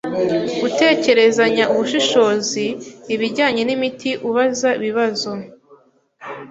Gutekerezanya ubushishozi ibijyanye n'imiti ubaza ibibazo,